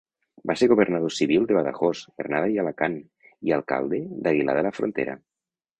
Va ser governador civil de Badajoz, Granada i Alacant, i alcalde d'Aguilar de la Frontera.